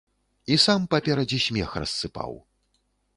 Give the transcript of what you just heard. І сам паперадзе смех рассыпаў.